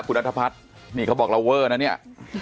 คุณนัทพัฒน์นี่เขาบอกเราเวอร์นะเนี่ย